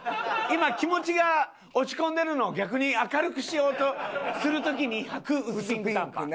今気持ちが落ち込んでるのを逆に明るくしようとする時にはく薄ピンク短パン。